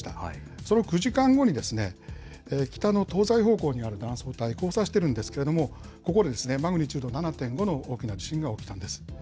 その９時間後に、北の東西方向にある断層帯、交差してるんですけれども、ここでマグニチュード７．５の大きな地震が起きたんです。